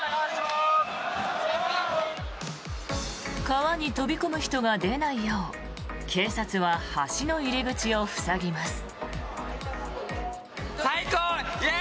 川に飛び込む人が出ないよう警察は橋の入り口を塞ぎます。